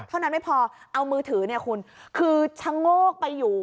เท่านั้นไม่พอเอามือถือเนี่ยคุณคือชะโงกไปอยู่